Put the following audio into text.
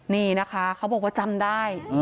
นี่นะคะเขาบอกว่าจำได้